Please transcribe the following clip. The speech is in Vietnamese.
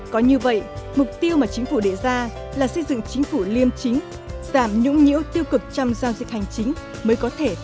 có như vậy mục tiêu mà chính phủ đề ra là xây dựng chính phủ liêm chính giảm nhũng nhũ tiêu cực trong giao dịch hành chính mới có thể thay đổi